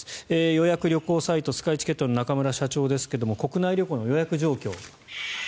予約旅行サイトスカイチケットの中村社長ですが国内旅行の予約状況